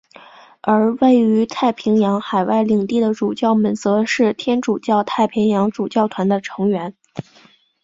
而位于太平洋的海外领地的主教们则是天主教太平洋主教团的成员。